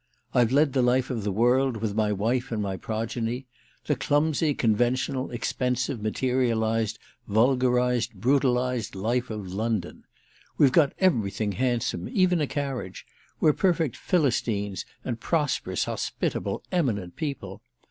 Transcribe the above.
I've led the life of the world, with my wife and my progeny; the clumsy conventional expensive materialised vulgarised brutalised life of London. We've got everything handsome, even a carriage—we're perfect Philistines and prosperous hospitable eminent people.